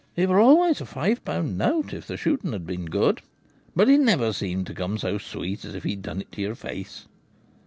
It were always a five pound note if the shooting had been good ; but it never seemed to come so sweet as if he'd done it to your face.'